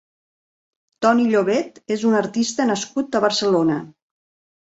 Toni Llobet és un artista nascut a Barcelona.